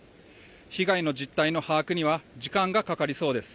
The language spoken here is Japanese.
被害の実態の把握には時間がかかりそうです。